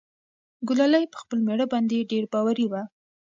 ګلالۍ په خپل مېړه باندې ډېر باوري وه.